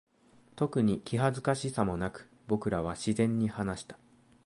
特に気恥ずかしさもなく、僕らは自然に話した。